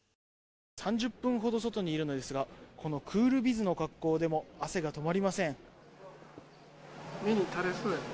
３０分ほど外にいるのですがこのクールビズの格好でも汗が止まりません。